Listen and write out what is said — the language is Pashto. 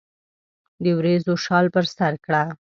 دوریځو شال پر سرکړه